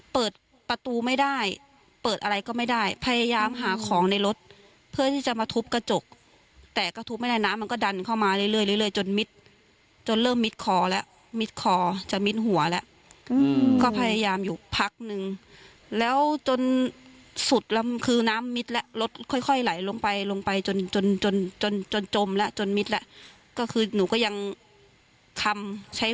เปิดประตูไม่ได้เปิดอะไรก็ไม่ได้พยายามหาของในรถเพื่อที่จะมาทุบกระจกแต่ก็ทุบไม่ได้น้ำมันก็ดันเข้ามาเรื่อยเรื่อยจนมิดจนเริ่มมิดคอแล้วมิดคอจะมิดหัวแล้วก็พยายามอยู่พักนึงแล้วจนสุดแล้วคือน้ำมิดแล้วรถค่อยค่อยไหลลงไปลงไปจนจนจนจนจนจมแล้วจนมิดแล้วก็คือหนูก็ยังคำใช้